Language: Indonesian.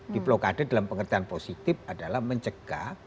diplokade dalam pengertian positif adalah mencegah